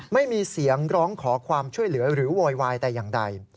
ไม่มีเสียงร้องขอความช่วยเหลือหรือโวยวายแต่อย่างใด